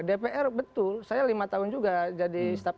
dpr betul saya lima tahun juga jadi staff